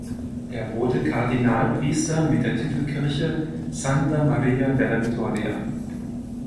Er wurde Kardinalpriester mit der Titelkirche "Santa Maria della Vittoria".